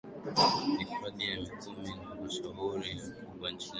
hifadhi ya mikumi ni mashuhuri na kubwa nchini tanzania